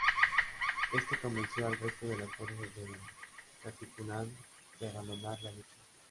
Este convenció al resto de las fuerzas del Katipunan de abandonar la lucha.